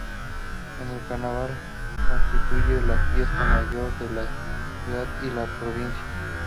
El carnaval constituye la "Fiesta Mayor" de la ciudad y la provincia.